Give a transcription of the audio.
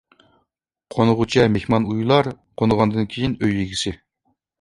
قونغۇچە مېھمان ئۇيىلار، قونغاندىن كېيىن ئۆي ئىگىسى.